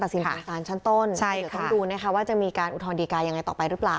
เดี๋ยวต้องดูนะคะว่าจะมีการอุทธรณ์ดีการยังไงต่อไปหรือเปล่า